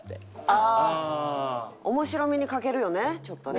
ああ面白みに欠けるよねちょっとね。